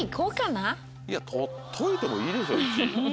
取っといてもいいでしょ